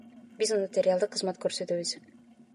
Биз нотариалдык кызмат көрсөтөбүз.